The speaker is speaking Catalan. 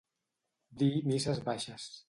Dir misses baixes.